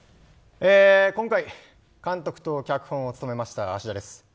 今回、監督と脚本を務めました芦田です。